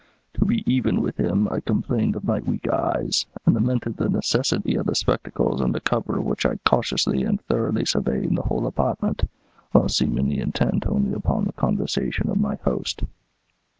"To be even with him, I complained of my weak eyes, and lamented the necessity of the spectacles under cover of which I cautiously and thoroughly surveyed the whole apartment, while seemingly intent only upon the conversation of my host.